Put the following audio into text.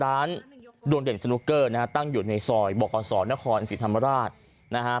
ดวงเด่นสนุกเกอร์นะฮะตั้งอยู่ในซอยบคศนครศรีธรรมราชนะฮะ